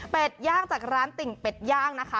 เป็นย่างจากร้านติ่งเป็ดย่างนะคะ